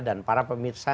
dan para pemirsa